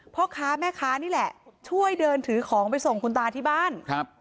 พ่อค้าแม่ค้านี่แหละช่วยเดินถือของไปส่งคุณตาที่บ้านครับ